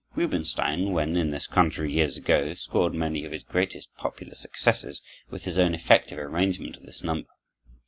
Rubinstein, when in this country years ago, scored many of his greatest popular successes with his own effective arrangement of this number.